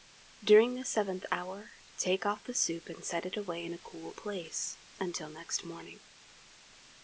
During the seventh hour, take off the soup and set it away in a cool place, until next morning.